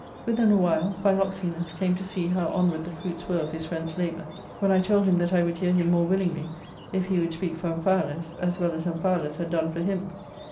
av^^Iu'itl p ^^^i'?p PV>n/\vAnii^j^mA to see how onward the fruits were of his friend's labour, when I told him that I would hear him more willingly if he would speak for Am phialus as well as Amphialus had done for him.